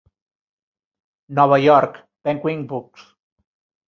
Nova York: Penguin Books.